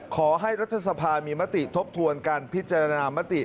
ขอให้รัฐสภามีมติทบทวนการพิจารณามติ